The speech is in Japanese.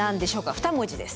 ２文字です。